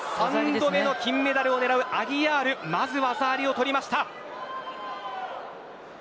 ３度目の金メダルを狙うアギアールまず、技ありを取りました。